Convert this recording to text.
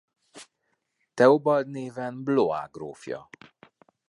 Theobald néven Blois grófja.